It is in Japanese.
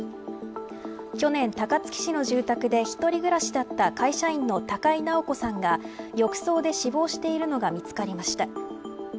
去年、高槻市の住宅で一人暮らしだった会社員の高井直子さんが浴槽で死亡しているのが見つかりました。